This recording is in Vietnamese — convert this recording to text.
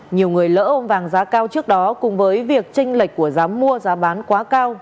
nhiều người lỡ ôm vàng giá cao trước đó cùng với việc tranh lệch của giá mua giá bán quá cao